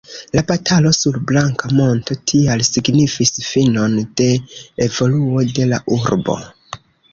La batalo sur Blanka Monto tial signifis finon de evoluo de la urbo.